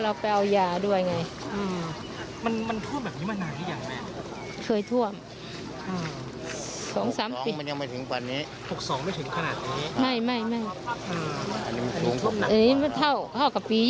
เท่ากับปี๒๑แล้วมั้งแม่ว่าเพราะว่าบ้านแม่หลังสูง